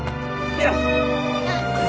よし。